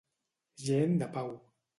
Gent de pau.